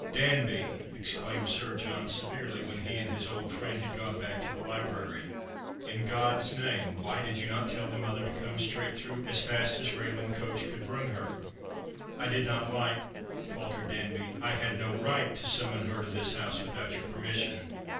" Danby !" exclaimed Sir John, severely, when he and The Christmas Hirelings. 221 his old friend had gone back to the library, " in God's name why did not you tell the mother to come straight through as fast as rail and coach could bring her ?"" I did not like," faltered Danby. " I had no right to summon her to this house without your permission."